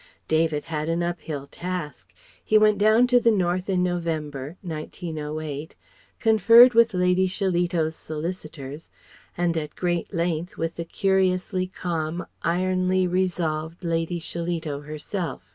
David had an uphill task. He went down to the North in November, 1908, conferred with Lady Shillito's solicitors, and at great length with the curiously calm, ironly resolved Lady Shillito herself.